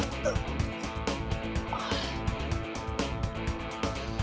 kamu mau jalan